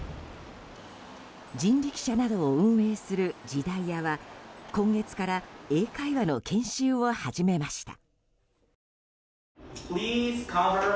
人力車などを運営する時代屋は今月から英会話の研修を始めました。